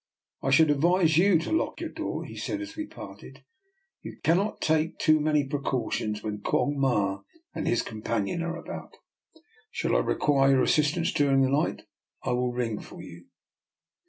" I should advise you to lock your door," he said, as we parted. " You cannot take too many precautions when Quong Ma and his companion are about. Should I require your assistance during the night, I will ring for you."